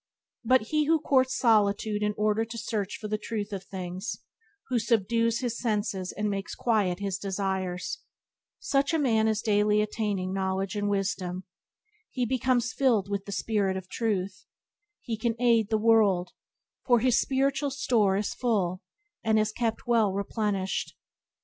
But he who courts solitude in order to search for the truth of things, who subdues his senses and makes quite his desires, such a man is daily attaining knowledge and wisdom; he becomes filled with the spirit of truth; he can aid the world, for his spiritual store is full, and is kept well replenished.